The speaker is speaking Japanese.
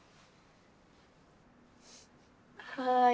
はい。